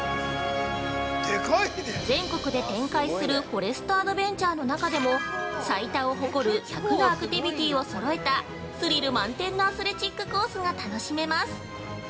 全国で展開するフォレストアドベンチャーの中でも最多を誇る１００のアクティビティをそろえたスリル満点のアスレチックコースが楽しめます。